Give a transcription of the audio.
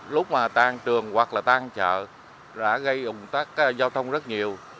lúc mà tan trường hoặc là tan chợ đã gây ủng tắc giao thông rất nhiều